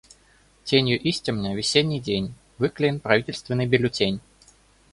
Тенью истемня весенний день, выклеен правительственный бюллетень.